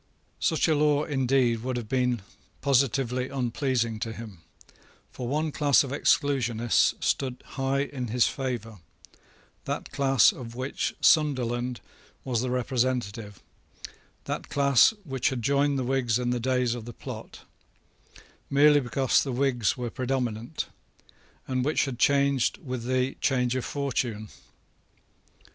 Such a law, indeed, would have been positively unpleasing to him; for one class of Exclusionists stood high in his favour, that class of which Sunderland was the representative, that class which had joined the Whigs in the days of the plot, merely because the Whigs were predominant, and which had changed with the change of fortune.